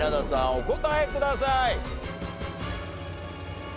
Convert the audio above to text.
お答えください。